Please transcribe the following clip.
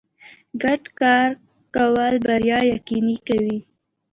ګډ کار کول بریا یقیني کوي.